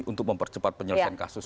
untuk mempercepat penyelesaian kasus